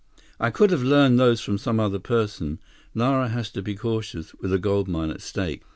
"I could have learned those from some other person. Nara has to be cautious, with a gold mine at stake.